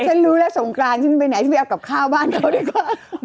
ฉันรู้และส่งการที่ไปไหนเพื่อเอากับข้าวบ้านเค้าดีกว่า